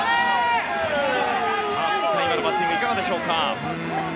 辻さん、今のバッティングいかがでしょうか。